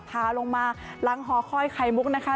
พาลงมาหลังหอคอยไข่มุกนะคะ